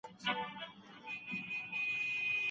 تخیل د نوي فکر زیږونکی دی.